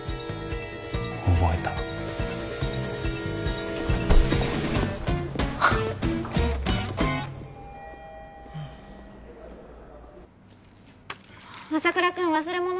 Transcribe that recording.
覚えた朝倉君忘れ物？